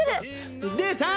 出た！